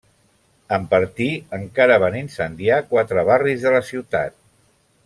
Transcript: En partir, encara van incendiar quatre barris de la ciutat.